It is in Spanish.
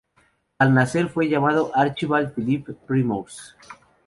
Al nacer fue llamado "Archibald Philip Primrose".